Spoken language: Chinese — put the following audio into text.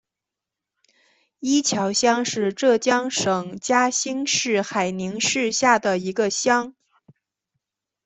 伊桥乡是浙江省嘉兴市海宁市下的一个乡。